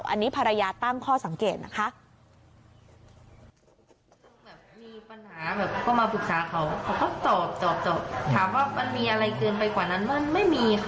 อันนี้ภรรยาตั้งข้อสังเกตนะคะ